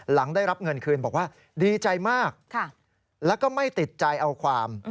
หลังได้รับเงินคืนบอกว่าดีใจมากแล้วก็ไม่ติดใจเอาความ